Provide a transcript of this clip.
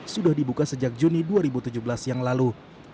sudah dibuka sejak juni dua ribu tujuh belas yang lalu